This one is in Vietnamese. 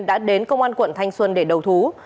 đã đến công an quận thanh xuân để đầu thú